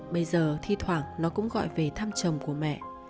bây giờ thi thoảng nó cũng gọi về thăm chồng của mẹ